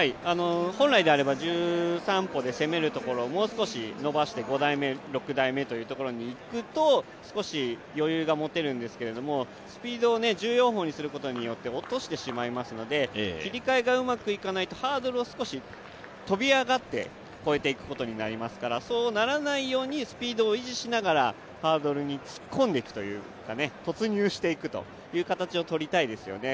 本来であれば１３歩で攻めるところをもう少し伸ばして５台目、６台目にいくと少し余裕が持てるんですけれども、スピードを１４歩にすることで落としてしまいますので、切り替えがうまくいかないとハードルを少し飛び上がって越えていくことになりますからそうならないようにスピードを維持しながらハードルに突っ込んでいくというか、突入していく形をとりたいですよね。